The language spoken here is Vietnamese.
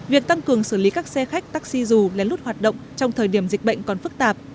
việc tăng cường xử lý các xe khách taxi dù lén lút hoạt động trong thời điểm dịch bệnh còn phức tạp